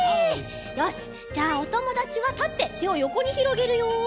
よしじゃあおともだちはたっててをよこにひろげるよ。